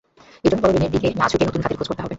এ জন্য বড় ঋণের দিকে না ঝুঁকে নতুন খাতের খোঁজ করতে হবে।